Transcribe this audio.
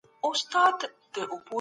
سیاستوال به خلګو ته ازادي ورکړي.